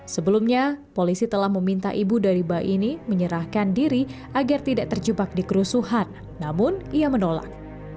sebelumnya polisi telah meminta ibu dari bayi ini menyerahkan diri agar tidak terjebak di kerusuhan namun ia menolak